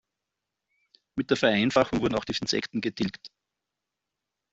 Mit der Vereinfachung wurden auch die Insekten getilgt.